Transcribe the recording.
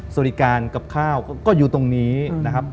สวัสดีการกับข้าวก็อยู่ตรงนี้นะครับ